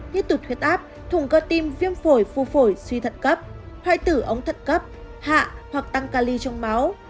như tụt huyết áp thùng cơ tim viêm phổi phu phổi suy thận cấp hai tử ống thận cấp hạ hoặc tăng ca ly trong máu